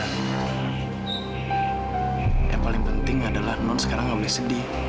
yang paling penting adalah non sekarang nggak boleh sedih